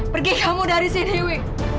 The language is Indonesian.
pergi kamu dari sini wi